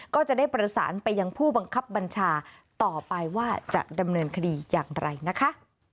ก็จะได้ประสานไปยังผู้บังคับบัญชาต่อไปว่าจะดำเนินคดีอย่างไรนะคะ